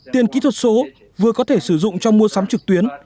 tiền kỹ thuật số vừa có thể sử dụng trong mua sắm trực tuyến